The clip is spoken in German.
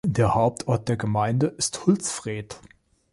Der Hauptort der Gemeinde ist Hultsfred.